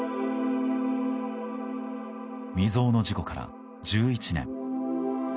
未曾有の事故から１１年。